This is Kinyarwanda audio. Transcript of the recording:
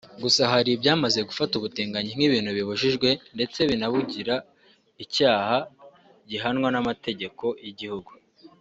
gusa hari ibyamaze gufata ubutinganyi nk’ ibintu bibujijwe ndetse binabugira icyaha gihanwa n’amategeko y’igihugu